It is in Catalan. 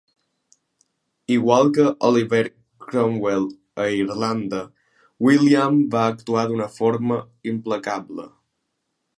Igual que Oliver Cromwell a Irlanda, William va actuar d'una forma implacable.